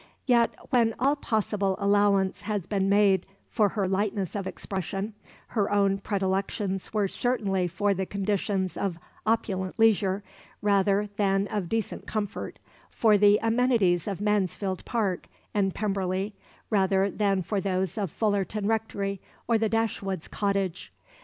Yet when all possible allowance has been made for her lightness of expression her own predilections were certainly for the conditions of "opulent leisure" rather than of decent comfort, for the amenities of Mansfield Park and Pemberley rather than for those of Fullerton Rectory or the Dashwoods' cottage.